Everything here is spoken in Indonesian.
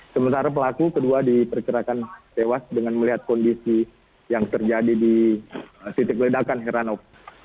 sementara pelaku kedua diperkirakan tewas dengan melihat kondisi yang terjadi di titik ledakan heranov